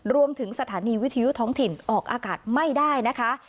รวมถึงสถานีวิทยุท้องถิ่นออกอากาศไม่ได้นะคะ